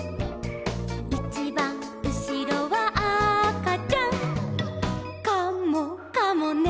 「いちばんうしろはあかちゃん」「カモかもね」